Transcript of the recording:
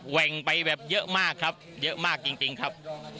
่งไปแบบเยอะมากครับเยอะมากจริงครับ